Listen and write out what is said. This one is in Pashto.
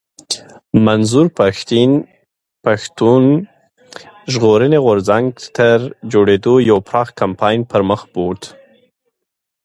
منظور پښتين پښتون ژغورني غورځنګ تر جوړېدو يو پراخ کمپاين پر مخ بوت